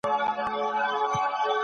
کمپيوټر زموږ کارونه ډېر ژر راخلاصوي.